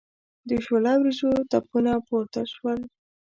د شوله وریجو تپونه پورته شول.